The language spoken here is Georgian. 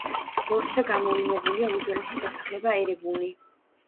ბორცვზე გამოვლინებულია უძველესი დასახლება ერებუნი.